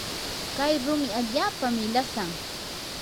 kay rumi allaapami lasan.